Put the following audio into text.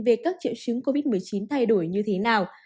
về các triệu chứng covid một mươi chín thay đổi như thế nào